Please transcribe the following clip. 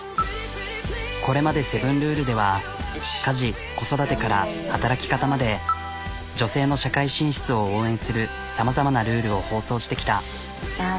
これまで「セブンルール」では家事子育てから働き方まで女性の社会進出を応援するさまざまなルールを放送してきた。